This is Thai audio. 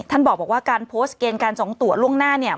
ท่านบอกว่าการโพสต์เกณฑ์การสองตัวล่วงหน้าเนี่ย